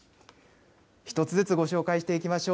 一つずつご紹介していきましょう。